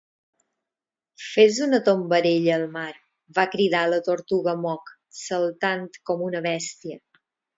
"Fes una tombarella al mar!" va cridar la tortuga Mock, saltant com una bèstia.